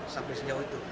sampai sejauh itu